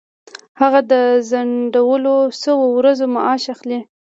هغه د ځنډول شوو ورځو معاش اخلي.